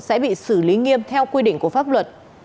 sẽ bị xử lý nghiêm theo quy định của pháp luật